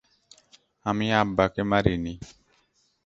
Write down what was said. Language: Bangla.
আমি আব্বাকে মারি নি।